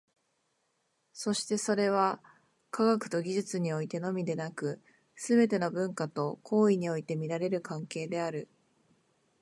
そしてそれは、科学と技術においてのみでなく、すべての文化と行為において見られる関係である。